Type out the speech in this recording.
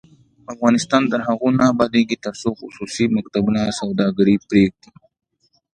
افغانستان تر هغو نه ابادیږي، ترڅو خصوصي مکتبونه سوداګري پریږدي.